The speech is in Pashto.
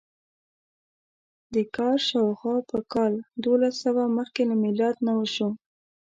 دا کار شاوخوا په کال دوولسسوه مخکې له میلاد نه وشو.